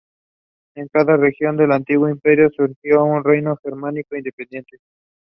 Saul denies the existence of the asset.